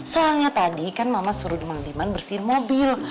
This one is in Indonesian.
soalnya tadi kan mama suruh di mang deman bersihin mobil